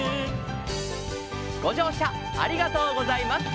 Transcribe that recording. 「ごじょうしゃありがとうございます」